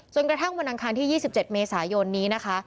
กระทั่งวันอังคารที่๒๗เมษายนนี้นะคะ